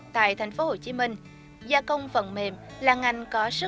tại thành phố hồ chí minh gia công phần mềm là ngành có sức